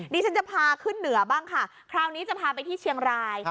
ดิฉันจะพาขึ้นเหนือบ้างค่ะคราวนี้จะพาไปที่เชียงราย